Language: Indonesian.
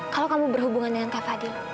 kalo kamu berhubungan dengan kak fadil